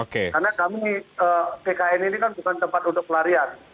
karena kami pkn ini kan bukan tempat untuk pelarian